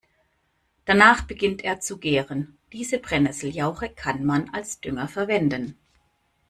Danach beginnt er zu gären. Diese Brennesseljauche kann man als Dünger verwenden.